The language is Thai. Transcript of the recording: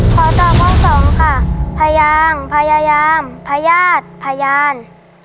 ขอตอบข้อสองค่ะพยางพยายามพญาติพยาน